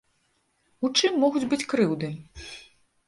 У чым могуць быць крыўды?